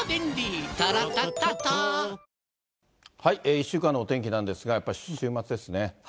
１週間のお天気なんですが、やっぱり週末ですね。